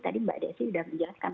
tadi mbak desi sudah menjelaskan